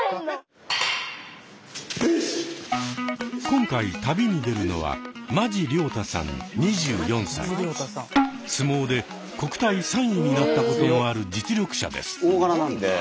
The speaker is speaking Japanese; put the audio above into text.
今回旅に出るのは相撲で国体３位になったこともある実力者です。